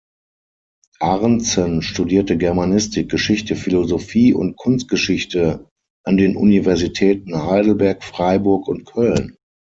Arntzen studierte Germanistik, Geschichte, Philosophie und Kunstgeschichte an den Universitäten Heidelberg, Freiburg und Köln.